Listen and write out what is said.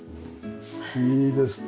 いいです。